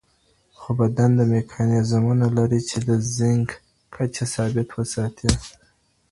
خو بدن میکانیزمونه لري چې د زینک کچه ثابت وساتي.